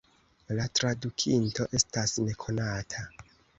La tradukinto estas nekonata.